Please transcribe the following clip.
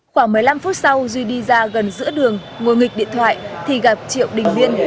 khoảng một mươi năm phút sau duy đi ra gần giữa đường ngồi nghịch điện thoại thì gặp triệu đình liên